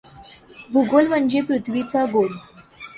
भूगोल म्हणजे पृथ्वीचा गोल.